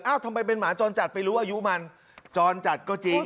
ทำไมเป็นหมาจรจัดไปรู้อายุมันจรจัดก็จริง